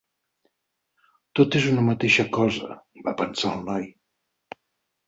Tot és una mateixa cosa, va pensar el noi.